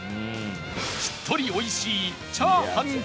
しっとり美味しいチャーハンか？